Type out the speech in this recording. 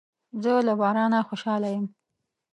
زه له بارانه خوشاله یم.